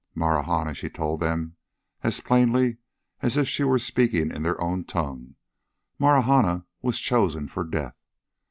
Marahna, she told them, as plainly as if she were speaking in their own tongue, Marahna was chosen for death.